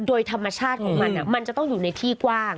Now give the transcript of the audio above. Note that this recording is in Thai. โดยธรรมชาติของมันมันจะต้องอยู่ในที่กว้าง